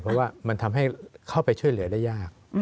เพราะว่ามันทำให้เข้าไปช่วยเหลือได้ยาก